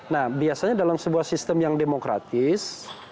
nah biasanya dalam sebuah sistem yang demokratis